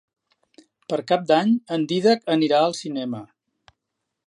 Per Cap d'Any en Dídac anirà al cinema.